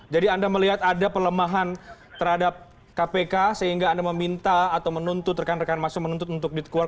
jadi anda melihat ada pelemahan terhadap kpk sehingga anda meminta atau menuntut rekan rekan masuk menuntut untuk dikuasai